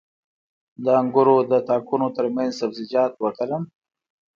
د انګورو د تاکونو ترمنځ سبزیجات وکرم؟